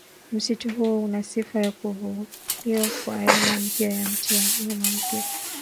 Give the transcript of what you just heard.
Msitu huo una sifa ya kuvumbuliwa kwa aina mpya ya mti na mnyama mpya